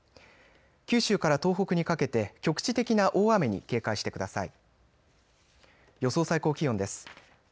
九州から東北にかけて局地的な大雨に警戒してください。